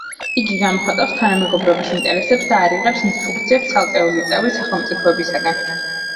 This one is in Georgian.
იგი გამოხატავს თანამეგობრობის ინტერესებს და არ იღებს ინსტრუქციებს ცალკეული წევრი სახელმწიფოებისაგან.